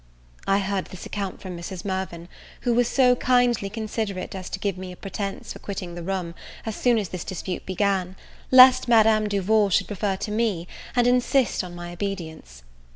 I heard this account from Mrs. Mirvan, who was so kindly considerate as to give me a pretence for quitting the room as soon as this dispute began, lest Madame Duval should refer to me, and insist on my obedience.